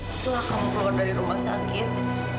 setelah kamu keluar dari rumah sakit